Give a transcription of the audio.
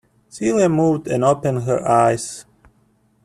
Celia moved and opened her eyes.